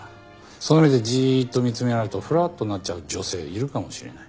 その目でじーっと見つめられるとふらっとなっちゃう女性いるかもしれない。